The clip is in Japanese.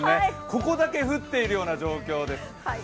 ここだけ降っているような状況です。